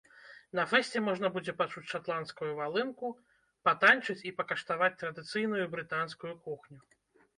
На фэсце можна будзе пачуць шатландскую валынку, патаньчыць і пакаштаваць традыцыйную брытанскую кухню.